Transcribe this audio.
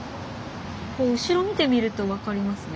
こう後ろ見てみると分かりますね。